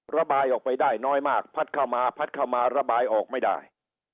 ระบายออกไปได้น้อยมากพัดเข้ามาพัดเข้ามาระบายออกไม่ได้